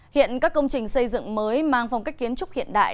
hiện các công trình xây dựng mới mang phong cách kiến trúc hiện đại